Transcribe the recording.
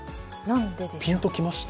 ピンと来ました？